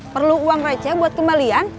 perlu uang receh buat kembalian